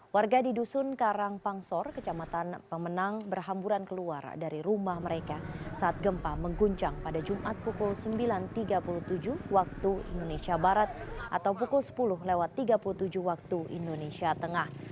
warga di dusun karangpangsor kecamatan pemenang berhamburan keluar dari rumah mereka saat gempa mengguncang pada jumat pukul sembilan tiga puluh tujuh waktu indonesia barat atau pukul sepuluh lewat tiga puluh tujuh waktu indonesia tengah